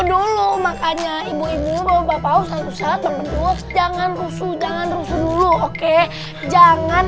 dulu makanya ibu ibu bapak usah usah temen dulu jangan rusuh jangan rusuh dulu oke jangan